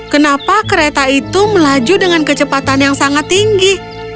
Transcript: kenapa kereta itu melaju dengan kecepatan yang sangat tinggi